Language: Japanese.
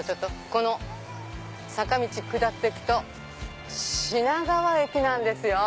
この坂道下ってくと品川駅なんですよ。